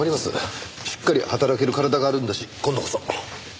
しっかり働ける体があるんだし今度こそ。